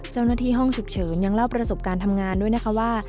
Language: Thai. ห้องฉุกเฉินยังเล่าประสบการณ์ทำงานด้วยนะคะว่า